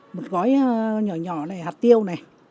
một gói nhỏ nhỏ này hạt tiêu này